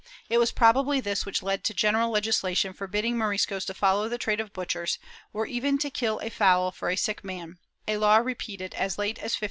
It was probably this which led to general legislation forbidding Moriscos to follow the trade of butchers, or even to kill a fowl for a sick man, a law repeated as late as 1595.